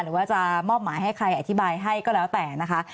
หรือว่าจะมอบหมายให้ใครอธิบายให้ก็แล้วแต่นะคะ